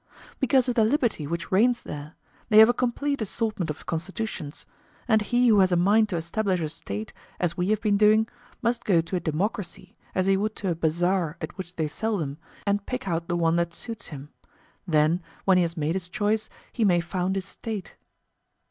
Because of the liberty which reigns there—they have a complete assortment of constitutions; and he who has a mind to establish a State, as we have been doing, must go to a democracy as he would to a bazaar at which they sell them, and pick out the one that suits him; then, when he has made his choice, he may found his State.